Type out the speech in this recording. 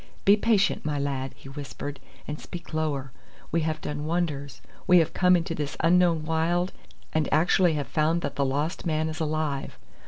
"Be patient, my lad," he whispered, "and speak lower. We have done wonders. We have come into this unknown wild, and actually have found that the lost man is alive.